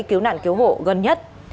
cứu nạn cứu hộ gần nhất